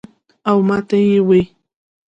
او ماته ئې وې ـ "